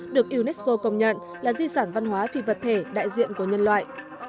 được unesco công nhận là di sản văn hóa phi vật thể đại diện của nhân loại